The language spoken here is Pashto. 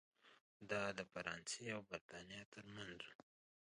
دا د فرانسې او برېټانیا ترمنځ و.